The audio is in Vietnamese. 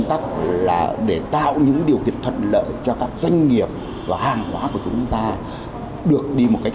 tắc là để tạo những điều kiện thuận lợi cho các doanh nghiệp và hàng hóa của chúng ta được đi một cách